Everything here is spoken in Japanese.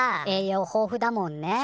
栄養豊富だもんね。